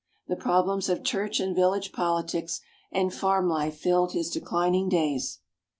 The problems of church and village politics and farm life filled his declining days.